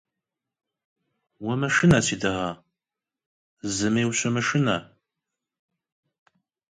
Не бойся солнышко, ничего не бойся.